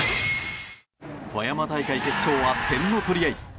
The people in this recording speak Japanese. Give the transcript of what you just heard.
富山大会決勝は点のとり合い。